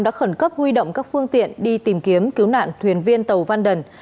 đã khẩn cấp huy động các phương tiện đi tìm kiếm cứu nạn thuyền viên tàu vanden